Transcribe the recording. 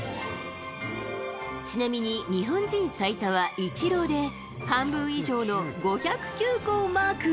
ちなみに日本人最多はイチローで、半分以上の５０９個をマーク。